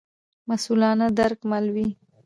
مسوولانه درک مل وي.